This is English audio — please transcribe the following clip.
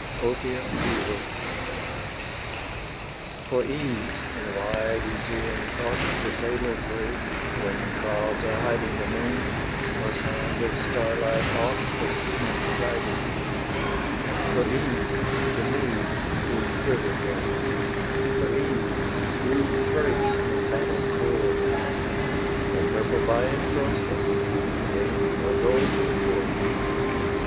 OTIUM DIVOS. For ease, in wide Aegean caught, The sailor prays, when clouds are hiding The moon, nor shines of starlight aught For seaman's guiding: For ease the Mede, with quiver gay: For ease rude Thrace, in battle cruel: Can purple buy it, Grosphus? Nay, Nor gold, nor jewel.